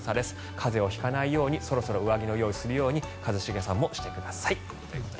風邪を引かないようにそろそろ上着の用意をするように一茂さんもしてください。